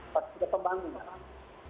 pas kita pembangunan